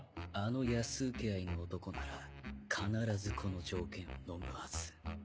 あの安請け合いの男なら必ずこの条件のむはず。